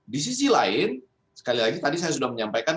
di sisi lain sekali lagi tadi saya sudah menyampaikan